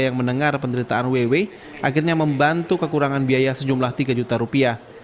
yang mendengar penderitaan ww akhirnya membantu kekurangan biaya sejumlah tiga juta rupiah